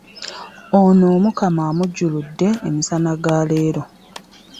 Ono Omukama amujjuludde emisana ga leero.